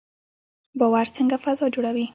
باور څنګه فضا جوړوي؟